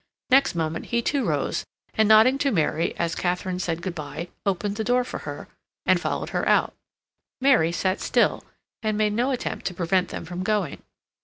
Next moment, he too, rose, and nodding to Mary, as Katharine said good bye, opened the door for her, and followed her out. Mary sat still and made no attempt to prevent them from going.